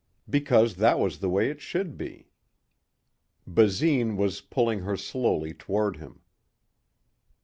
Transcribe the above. Because that was the way it should be. Basine was pulling her slowly toward him.